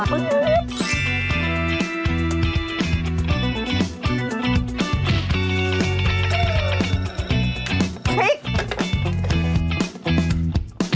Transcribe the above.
พริก